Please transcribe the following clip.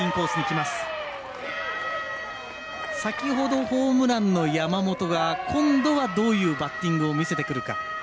先ほどホームランの山本が今度はどういうバッティングを見せてくるか。